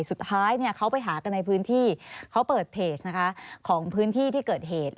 สุดท้ายเขาไปหากันในพื้นที่เขาเปิดเพจนะคะของพื้นที่ที่เกิดเหตุ